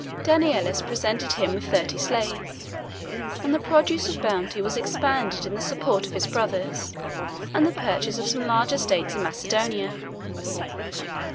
Danielis presented him with thirty slaves; and the produce of her bounty was expended in the support of his brothers, and the purchase of some large estates in Macedonia.